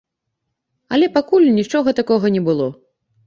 Але пакуль нічога такога не было.